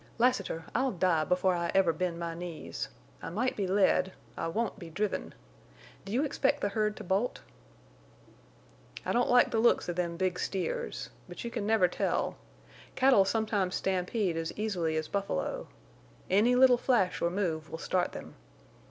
"Lassiter, I'll die before I ever bend my knees. I might be led: I won't be driven. Do you expect the herd to bolt?" "I don't like the looks of them big steers. But you can never tell. Cattle sometimes stampede as easily as buffalo. Any little flash or move will start them.